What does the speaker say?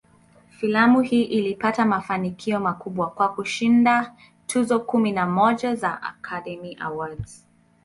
Filamu hii ilipata mafanikio makubwa, kwa kushinda tuzo kumi na moja za "Academy Awards".